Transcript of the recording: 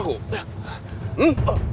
masih belum mau ngaku